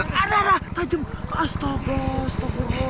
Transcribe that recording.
ada ada tajam astaga astaga